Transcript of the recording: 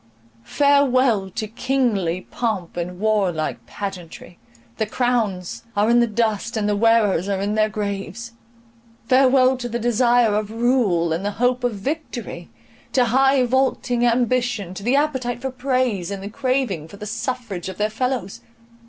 —farewell to kingly pomp and warlike pageantry; the crowns are in the dust, and the wearers are in their graves!—farewell to the desire of rule, and the hope of victory; to high vaulting ambition, to the appetite for praise, and the craving for the suffrage of their fellows!